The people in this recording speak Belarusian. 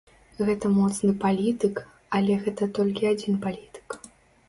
Гэта моцны палітык, але гэта толькі адзін палітык.